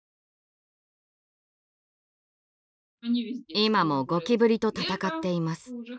今もゴキブリと戦っています。